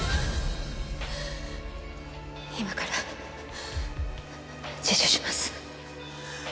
今から自首します。